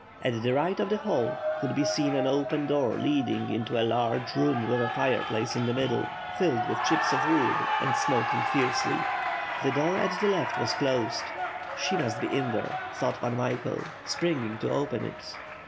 At the right of the hall, could be seen an open door lead ing into a large room with a fireplace in the middle, filled with chips of wood, and smoking fiercely. The door at the left was closed. "She must be in there," thought Pan Michael, springing to open it.